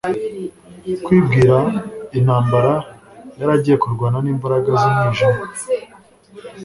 Kwibwira intambara yari agiye kurwana n'imbaraga z'umwijima,